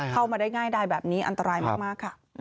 เข้ามาได้ง่ายได้แบบนี้อันตรายมากค่ะ